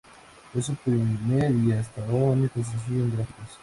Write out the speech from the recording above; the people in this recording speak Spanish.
Fue su primer y hasta ahora único sencillo en gráficos.